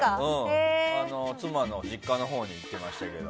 妻の実家のほうに行っていました。